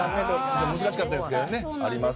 難しかったですけどね。